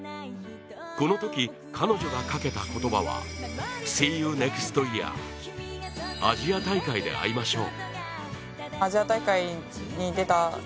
このとき、彼女がかけた言葉は「ＳｅｅＹｏｕＮｅｘｔｙｅａｒ！」アジア大会で会いましょう。